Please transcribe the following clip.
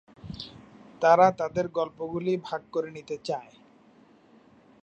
তারা তাদের গল্প গুলি ভাগ করে নিতে চায়।